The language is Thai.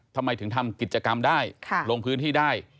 ทำไมถึงทำกิจกรรมได้ลงพื้นที่ได้